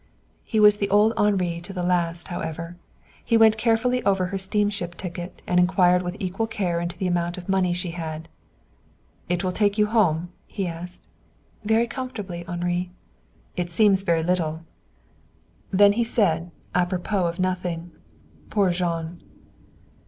He was the old Henri to the last, however. He went carefully over her steamship ticket, and inquired with equal care into the amount of money she had. "It will take you home?" he asked. "Very comfortably, Henri." "It seems very little." Then he said, apropos of nothing: "Poor Jean!"